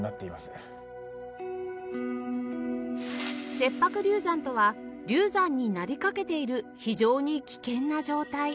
切迫流産とは流産になりかけている非常に危険な状態